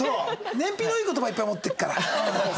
燃費のいい言葉いっぱい持ってるから。